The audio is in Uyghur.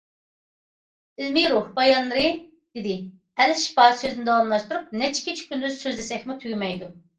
-« ئىلمىي روھ» بايانلىرى،- دېدى« ئەل شىپا» سۆزىنى داۋاملاشتۇرۇپ،- نەچچە كېچە- كۈندۈز سۆزلىسەكمۇ تۈگىمەيدۇ.